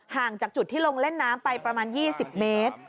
ห่างจากจุดที่ลงเล่นน้ำไปประมาณ๒๐เมตร